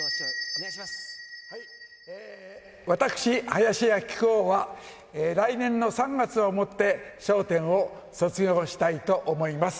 私、林家木久扇は来年の３月をもって、笑点を卒業したいと思います。